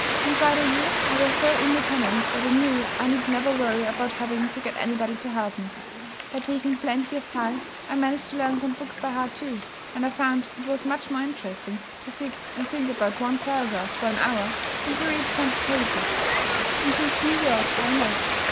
Inside a year, I was so independent that I knew I need never worry about having to get anybody to help me. By taking plenty of time, I managed to learn some books by heart too; and I found it was much more interesting to sit and think about one paragraph for an hour than to read twenty pages. Even a few words are enough.